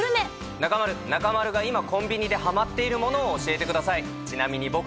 中丸、中丸が今コンビニではまっているものを教えてください。